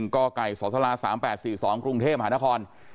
กไก่สศ๓๘๔๒กรุงเทพฯหานคร